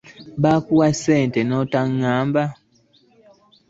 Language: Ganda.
Baakuwa ssente n'otaŋŋamba?